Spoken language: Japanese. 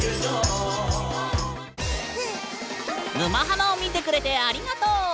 「沼ハマ」を見てくれてありがとう！